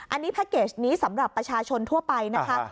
อันนี้แพ็กเกจนี้สำหรับประชาชนทั่วไปนะคะ